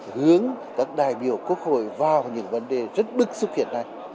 hướng các đại biểu quốc hội vào những vấn đề rất bức xúc hiện nay